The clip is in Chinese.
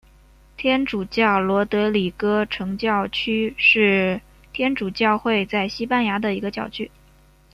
天主教罗德里戈城教区是天主教会在西班牙的一个教区。